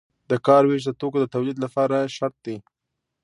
د کار ویش د توکو د تولید لپاره شرط دی.